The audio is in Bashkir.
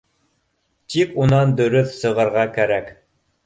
Тик унан дөрөҫ сығырға кәрәк